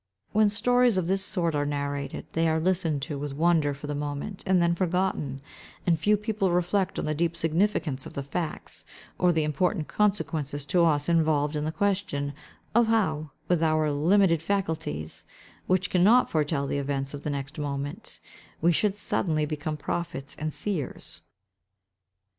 When stories of this sort are narrated, they are listened to with wonder for the moment, and then forgotten, and few people reflect on the deep significance of the facts, or the important consequences to us involved in the question, of how, with our limited faculties, which can not foretell the events of the next moment, we should suddenly become prophets and seers.